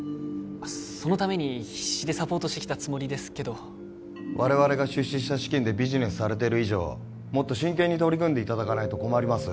そのために必死でサポートしてきたつもりですけど我々が出資した資金でビジネスされてる以上もっと真剣に取り組んでいただかないと困ります